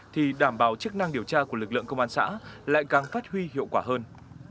thì đảm bảo chức năng điều tra của lực lượng công an xã lại càng phát huy hiệu quả hơn